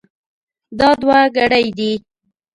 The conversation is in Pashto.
دا دوه ګړۍ دي.